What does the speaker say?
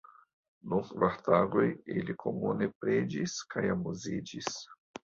Dum kvar tagoj ili komune preĝis kaj amuziĝis.